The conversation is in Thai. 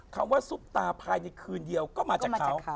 คำว่าซุปตาภายในคืนเดียวก็มาจากเขา